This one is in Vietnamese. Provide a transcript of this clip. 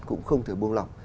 cũng không thể buông lỏng